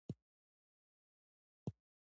انسان څه کولی شي؟